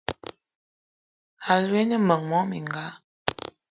Alou o ne meng mona mininga?